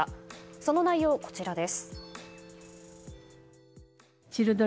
その内容、こちらです。